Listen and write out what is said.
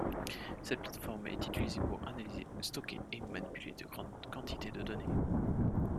Cette plate-forme est utilisée pour analyser, stocker et manipuler de grandes quantités de données.